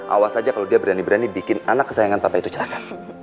awas aja kalau dia berani berani bikin anak kesayangan tanpa itu celaka